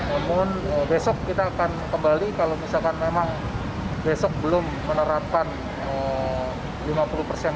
namun besok kita akan kembali kalau misalkan memang besok belum menerapkan lima puluh persen